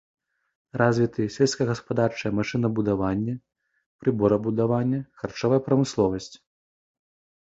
Развіты сельскагаспадарчае машынабудаванне, прыборабудаванне, харчовая прамысловасць.